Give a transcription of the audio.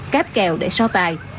cáp kèo để so tài